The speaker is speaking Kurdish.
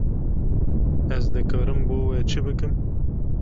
Ez dikarim bo we çi bikim?